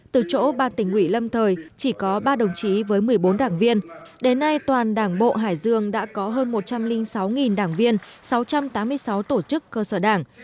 từ chỗ ba tỉnh ủy lâm thời chỉ có ba đồng chí với một mươi bốn đảng viên đến nay toàn đảng bộ hải dương đã có hơn một trăm linh sáu đảng viên sáu trăm tám mươi sáu tổ chức cơ sở đảng